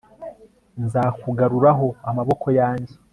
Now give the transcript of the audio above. nzakugaruraho amaboko yanjye